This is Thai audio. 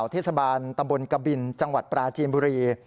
เทศบาลตำบลกบินจังหวัดปราจีนบุรี